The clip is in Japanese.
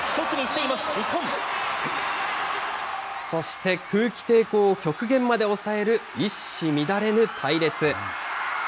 そして、空気抵抗を極限まで抑える一糸乱れぬ隊列。